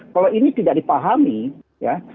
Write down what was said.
kalau ini tidak dipahami ya